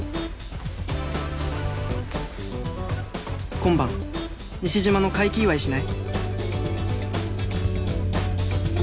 「今晩西島の快気祝いしない？」